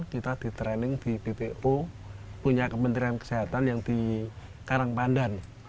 kita di training di bpo punya kementerian kesehatan yang di karangpandan